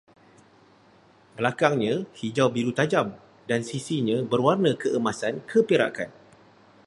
Belakangnya hijau-biru tajam, dan sisinya berwarna keemasan-keperakan